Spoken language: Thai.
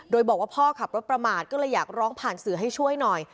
โดยบอกว่าพ่อขับรถประมาทก็เลยอยากร้องผ่านสื่อให้ช่วยหน่อย